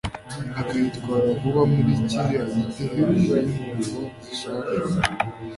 akayitwara vuba muri kiriya giti hejuru yimpongo zishaje